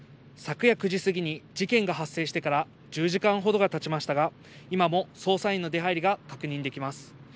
昨夜９時過ぎに事件が発生してから１０時間ほどがたちましたが、今も捜査員の出はいりが確認できます。